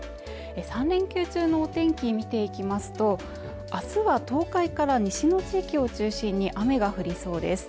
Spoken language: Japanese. ３連休中のお天気見ていきますと明日は東海から西の地域を中心に雨が降りそうです